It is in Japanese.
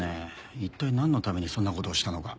一体なんのためにそんな事をしたのか。